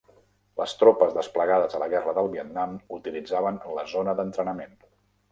Les tropes desplegades a la Guerra del Vietnam utilitzaven la zona d'entrenament.